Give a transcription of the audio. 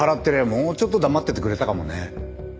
もうちょっと黙っててくれたかもね。